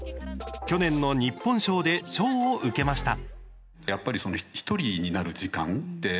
去年の日本賞で賞を受けました。